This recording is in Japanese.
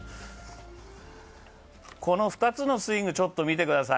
この２つのスイング見てください。